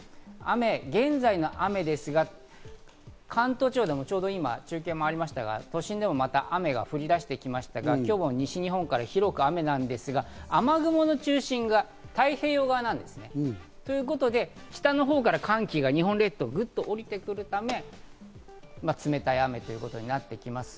現在の雨ですが関東地方でもちょうど今、中継もありましたが、都心でもまた雨が降り出してきましたが、今日も西日本から広く雨なんですが、雨雲の中心が太平洋側なんですね。ということで、北のほうから寒気が日本列島にグッと降りてくるため、冷たい雨ということになってきます。